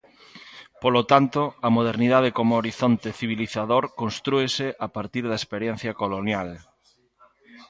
Polo tanto, a modernidade como horizonte civilizador constrúese a partir da experiencia colonial.